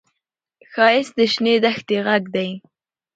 ښایست د شنې دښتې غږ دی